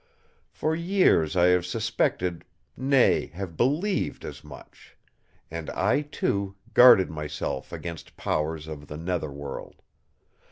For years I have suspected, nay, have believed as much; and I, too, guarded myself against powers of the Nether World.